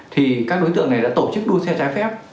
thì các đối tượng này đã tổ chức đua xe trái phép